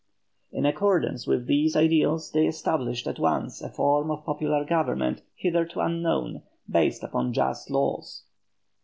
In accordance with these ideas, they established at once a form of popular government hitherto unknown, based upon just laws.